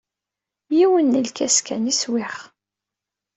Yiwen n lkas kan i swiɣ.